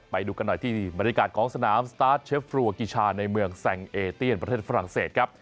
ไปดูกันหน่อยที่บรรยากาศของสนามสตาร์ทเชฟฟัวกิชาในเมืองแซงเอเตียนประเทศฝรั่งเศสครับ